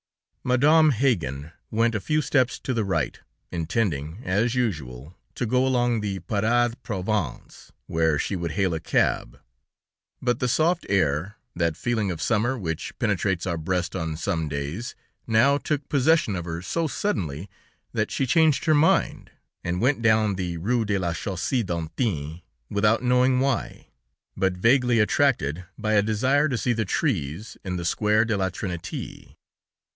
Madame Haggan went a few steps to the right, intending, as usual, to go along the Parade Provence, where she would hail a cab; but the soft air, that feeling of summer which penetrates our breast on some days, now took possession of her so suddenly that she changed her mind, and went down the Rue de la Chausée d'Antin, without knowing why, but vaguely attracted by a desire to see the trees in the Square de la Trinité.